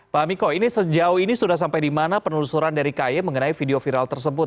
pak miko ini sejauh ini sudah sampai di mana penelusuran dari kaye mengenai video viral tersebut